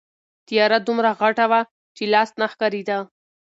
تیاره دومره غټه وه چې لاس نه ښکارېده.